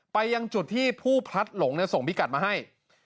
ไปยังจุดที่ผู้พลัดหลงส่งพิกัดมาให้